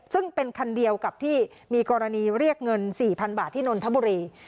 ซึ่งเป็นคันเดียวกับที่มีกรณีเรียกเงิน๔๐๐๐บาทที่นนทบุรี